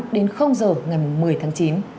đến h ngày một mươi tháng chín